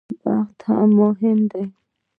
بخت هم مهم دی.